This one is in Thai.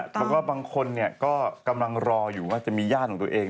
แล้วก็บางคนก็กำลังรออยู่ว่าจะมีญาติของตัวเอง